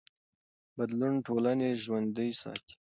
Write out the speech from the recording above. بدلون ټولنې ژوندي ساتي